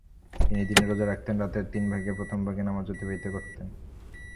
তিনি দিনে রোযা রাখতেন, রাতের তিন ভাগের প্রথম ভাগ নামাযে অতিবাহিত করতেন।